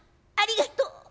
「ありがとう。